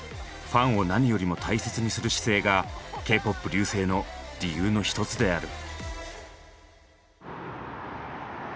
ファンを何よりも大切にする姿勢がＫ−ＰＯＰ隆盛の理由のひとつである。